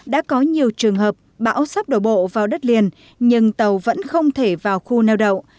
đã có nhiều trường hợp bão sắp đổ bộ vào đất liền nhưng tàu vẫn không thể vào khu neo đậu